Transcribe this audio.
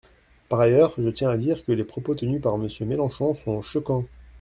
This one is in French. Par ailleurs, je tiens à dire que les propos tenus par Monsieur Mélenchon sont choquants.